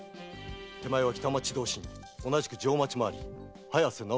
手前は北町同心同じく定町廻り早瀬直次郎。